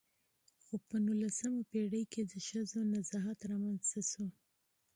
خو په نولسمه پېړۍ کې د ښځو نضهت رامنځته شو .